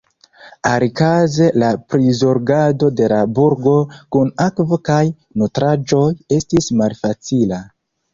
Alikaze la prizorgado de la burgo kun akvo kaj nutraĵoj estis malfacila.